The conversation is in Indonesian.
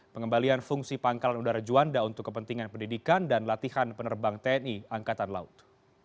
pengembalian fungsi pangkalan udara juanda untuk kepentingan pendidikan dan latihan penerbang tni angkatan laut